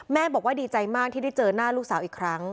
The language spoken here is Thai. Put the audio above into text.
บอกว่าดีใจมากที่ได้เจอหน้าลูกสาวอีกครั้ง